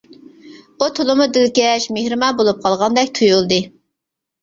ئۇ تولىمۇ دىلكەش، مېھرىبان بولۇپ قالغاندەك تۇيۇلدى.